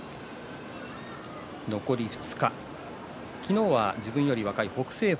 残り２日昨日は自分より重い北青鵬